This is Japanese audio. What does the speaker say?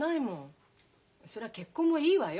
そりゃ結婚もいいわよ。